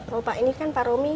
loh pak ini kan pak romi